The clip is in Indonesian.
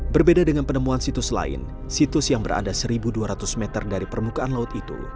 berbeda dengan penemuan situs lain situs yang berada satu dua ratus meter dari permukaan laut itu